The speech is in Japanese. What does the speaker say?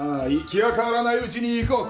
気が変わらないうちに行こう。